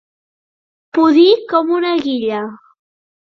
Pudir com una guilla.